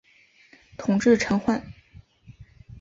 统制陈宧。